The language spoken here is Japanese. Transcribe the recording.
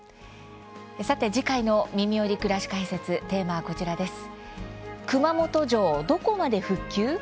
さて、次回の「みみより！くらし解説」テーマはこちらです。